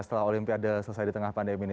setelah olimpiade selesai di tengah pandemi ini